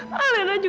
kamu darah maksud